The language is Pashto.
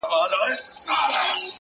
دا خیالونه په شعر نه ارزي